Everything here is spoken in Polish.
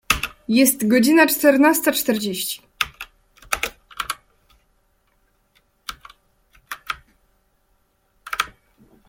Jest godzina czternasta czterdzieści.